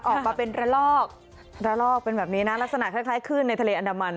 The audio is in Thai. ออกมาเป็นระลอกระลอกเป็นแบบนี้นะลักษณะคล้ายคลื่นในทะเลอันดามัน